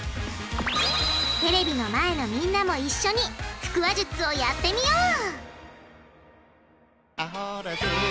テレビの前のみんなも一緒に腹話術をやってみよう！